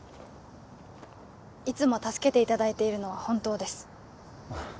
いつも助けていただいているのは本当ですいや